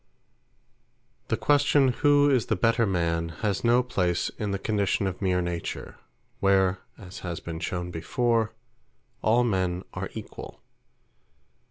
The Ninth, Against Pride The question who is the better man, has no place in the condition of meer Nature; where, (as has been shewn before,) all men are equall.